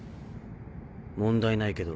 問題ないけど。